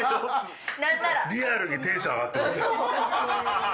リアルにテンション上がってますよ